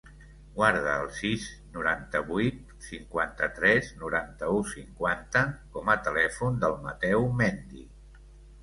Guarda el sis, noranta-vuit, cinquanta-tres, noranta-u, cinquanta com a telèfon del Mateu Mendy.